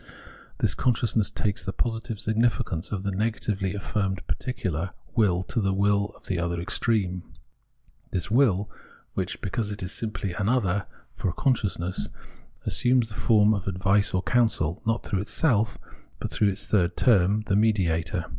This consciousness takes the positive significance of the negatively affirmed par ticular will to be the will of the other extreme, the will, which, because it is simply an " other " for con sciousness, assumes the form of advice or counsel, not through itself, but through the third term, the mediator.